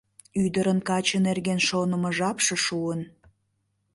Ӱдырын каче нерген шонымо жапше шуын.